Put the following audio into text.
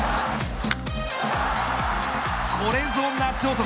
これぞ夏男。